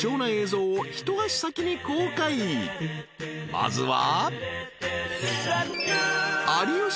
［まずは］